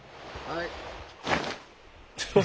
はい。